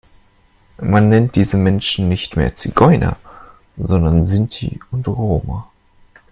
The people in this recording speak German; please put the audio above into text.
Man nennt diese Menschen nicht mehr Zigeuner, sondern Sinti und Roma.